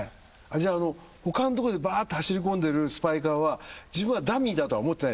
じゃあ他のとこでバーって走り込んでるスパイカーは自分はダミーだとは思ってないんですね。